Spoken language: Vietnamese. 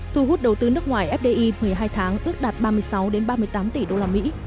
thu hút đầu tư nước ngoài fdi một mươi hai tháng ước đạt ba mươi sáu ba mươi tám tỷ usd